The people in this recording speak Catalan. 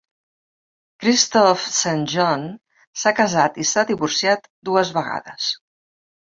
Kristoff Saint John s'ha casat i s'ha divorciat dues vegades.